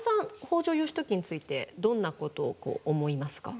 北条義時についてどんなことを思いますか？